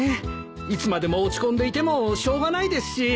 いつまでも落ち込んでいてもしょうがないですし。